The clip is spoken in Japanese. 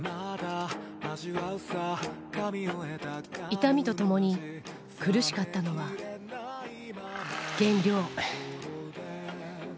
痛みとともに、苦しかったのは、減量。